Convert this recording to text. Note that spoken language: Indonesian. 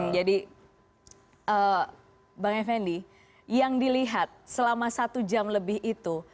jadi bang effendi yang dilihat selama satu jam lebih itu